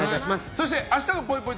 そして、明日のぽいぽい